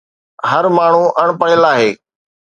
هر ماڻهو اڻ پڙهيل آهي